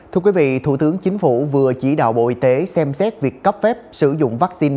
thưa quý vị thủ tướng chính phủ vừa chỉ đạo bộ y tế xem xét việc cấp phép sử dụng vaccine